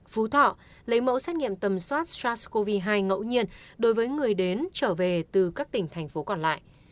phú thọ lấy mẫu xét nghiệm tầm soát sars cov hai ngẫu nhiên đối với người đến trở về từ các tỉnh thành phố còn lại